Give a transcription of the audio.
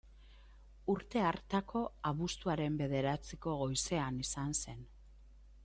Urte hartako abuztuaren bederatziko goizean izan zen.